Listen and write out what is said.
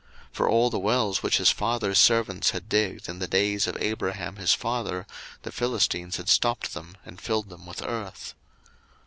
01:026:015 For all the wells which his father's servants had digged in the days of Abraham his father, the Philistines had stopped them, and filled them with earth.